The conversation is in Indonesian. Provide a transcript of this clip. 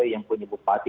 yang punya bupati